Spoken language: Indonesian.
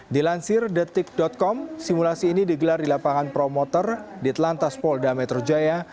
dilansir detik com simulasi ini digelar di lapangan promoter di telantas polda metro jaya